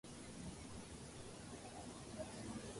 It serves an area of some in Cook, DuPage and Kane Counties.